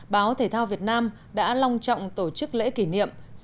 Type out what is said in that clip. báo thể thao việt nam đã long trọng tổ chức lễ kỷ niệm